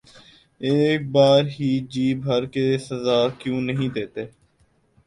اک بار ہی جی بھر کے سزا کیوں نہیں دیتے